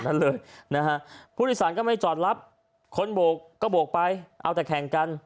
นะคะผู้โพสต์สารก็ไม่จอดรับคนโบกก็โบกไปเอาแต่แข่งกัน